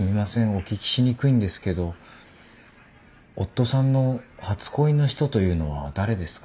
お聞きしにくいんですけど夫さんの初恋の人というのは誰ですか？